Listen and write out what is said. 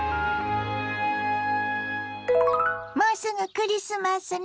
もうすぐクリスマスね。